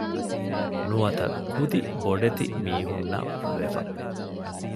ނުވަތަ ކުދި ބޮޑެތި މީހުންނަށް ވެފަ